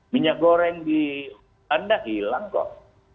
minyak goreng di anda hilang kok